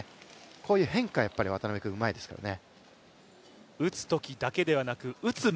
こういう変化は渡辺君、うまいですよね。